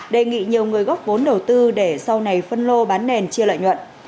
đề nghị nhiều người góp vốn đầu tư để sau này phân lô bán nền chia lợi nhuận